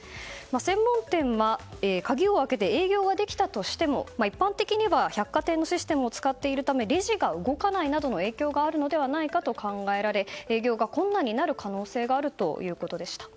専門店は、鍵を開けて営業ができたとしても一般的には百貨店のシステムを使っているためレジが動かないなどの影響があるのではないかと考えられ営業が困難になる可能性があるということです。